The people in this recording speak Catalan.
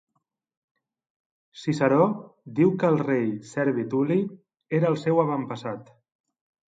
Ciceró diu que el rei Servi Tul·li era el seu avantpassat.